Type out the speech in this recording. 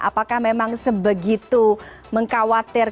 apakah memang sebegitu mengkhawatirkan